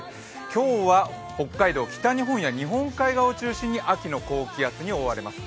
今日は北海道、北日本や日本海側を中心に秋の空気に覆われます。